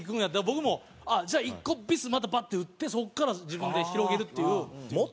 僕もじゃあ１個ビスまたバッて打ってそこから自分で広げるっていう。